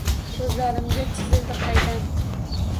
Koʼzlarimga chizilding qaydan?